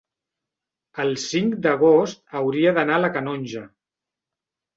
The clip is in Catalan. el cinc d'agost hauria d'anar a la Canonja.